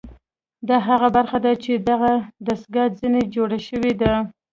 دا هغه برخه ده چې دغه دستګاه ځنې جوړه شوې ده